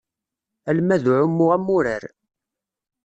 Almad n uɛumu am wurar.